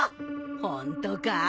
ホントか？